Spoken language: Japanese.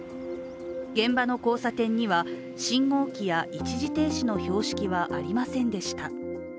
現場の交差点には信号機や一時停止の標識はありませんでした。